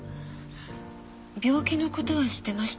病気の事は知っていました。